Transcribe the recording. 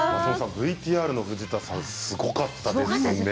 ＶＴＲの藤田さんすごかったですね。